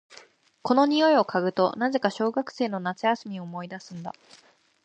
この匂いを嗅ぐと、なぜか小学生の夏休みを思い出すんだ。